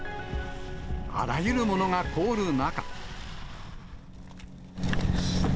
あらゆるものが凍る中。